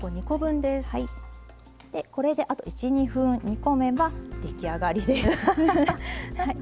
これであと１２分煮込めば出来上がりです。